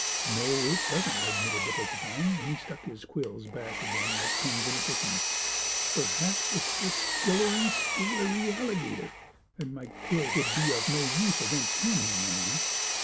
"No, it doesn't," admitted the porcupine, and he stuck his quills back again like pins in a cushion. "Perhaps it is the skillery scalery alligator, and my quills would be of no use against him," he went on.